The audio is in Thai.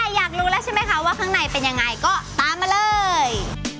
อยากรู้แล้วใช่ไหมคะว่าข้างในเป็นยังไงก็ตามมาเลย